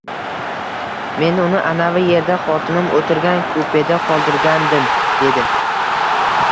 Men uni anavi yerda, xotinim oʻtirgan kupeda qoldirgandim, dedi.